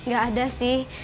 gak ada sih